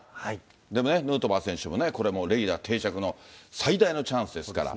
でもね、ヌートバー選手もレギュラー定着の最大のチャンスですから。